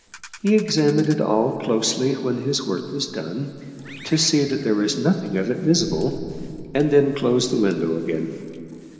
He examined it all closely when his work was done, to see that there was nothing of it visible, and then closed the window again.